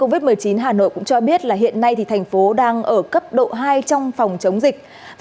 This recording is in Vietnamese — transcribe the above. covid một mươi chín hà nội cũng cho biết là hiện nay thì thành phố đang ở cấp độ hai trong phòng chống dịch